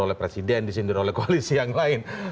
oleh presiden disindir oleh koalisi yang lain